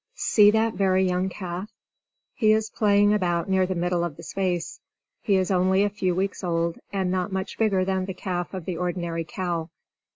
See that very young calf! He is playing about near the middle of the space. He is only a few weeks old, and not much bigger than the calf of the ordinary cow.